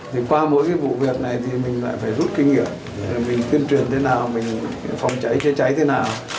thì qua mỗi cái vụ việc này thì mình lại phải rút kinh nghiệm để mình tuyên truyền thế nào mình phòng cháy chữa cháy thế nào